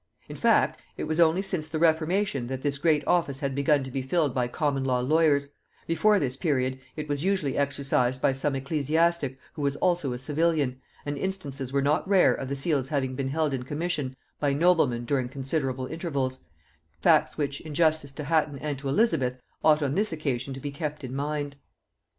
In fact, it was only since the reformation that this great office had begun to be filled by common law lawyers: before this period it was usally exercised by some ecclesiastic who was also a civilian, and instances were not rare of the seals having been held in commission by noblemen during considerable intervals; facts which, in justice to Hatton and to Elizabeth, ought on this occasion to be kept in mind.